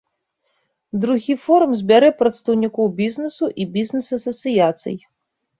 Другі форум збярэ прадстаўнікоў бізнесу і бізнес-асацыяцый.